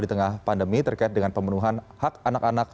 di tengah pandemi terkait dengan pemenuhan hak anak anak